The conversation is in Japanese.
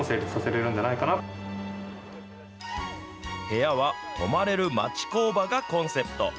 部屋は泊まれる町工場がコンセプト。